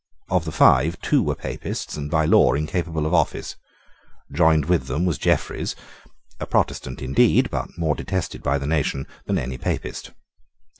Of the five, two were Papists, and by law incapable of office. Joined with them was Jeffreys, a Protestant indeed, but more detested by the nation than any Papist.